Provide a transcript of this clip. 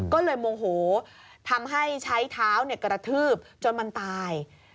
ก็เลยโมโหทำให้ใช้เท้ากระทืบจนมันตาย